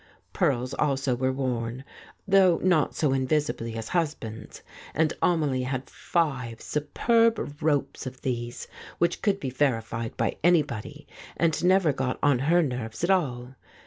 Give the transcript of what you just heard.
Pearls also were worn, though not so invisibly as husbands, and Amelie had five superb ropes of these, which could be verified by anybody, and never got on her nerves at all.